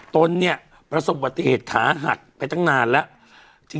ตนนี้ประสบุทธิเฮตขาหักไปตั้งนานแล้ว